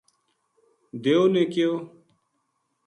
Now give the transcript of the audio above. دیو نے کہیو